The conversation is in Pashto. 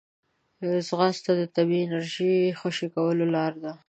ځغاسته د طبیعي انرژۍ خوشې کولو لاره ده